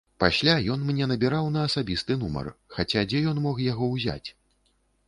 Пасля ён мне набіраў на асабісты нумар, хаця дзе ён мог яго ўзяць?